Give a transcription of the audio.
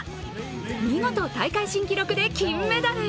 見事、大会新記録で金メダル。